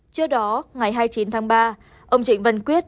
trước đó ngày hai mươi chín tháng ba ông trịnh văn quyết